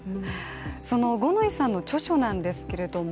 その五ノ井さんの著書なんですけれども。